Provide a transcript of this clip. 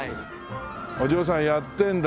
お嬢さんやってるんだ。